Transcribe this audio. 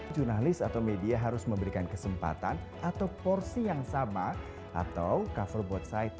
jurnalis atau media harus memberikan kesempatan atau porsi yang sama atau cover both side